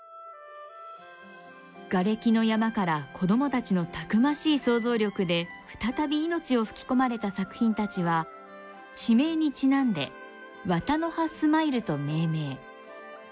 がれきの山から子どもたちのたくましい創造力で再び命を吹き込まれた作品たちは地名にちなんで「ワタノハスマイル」と命名。